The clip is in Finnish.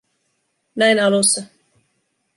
Näin alussa.